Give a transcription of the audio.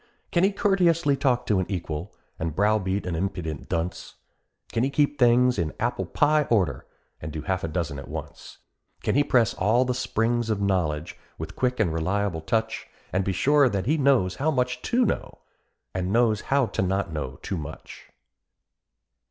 Can he courteously talk to an equal, and browbeat an impudent dunce? Can he keep things in apple pie order, and do half a dozen at once? Can he press all the springs of knowledge, with quick and reliable touch, And be sure that he knows how much to know, and knows how to not know too much?